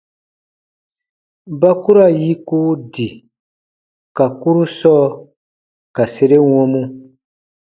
Ba ku ra yiku di ka kurusɔ ka sere wɔmu.